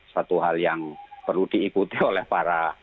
satu hal yang perlu diikuti oleh para